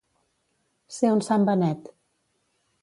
Ser un sant Benet.